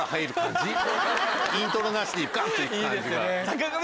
イントロなしにガッといく感じが。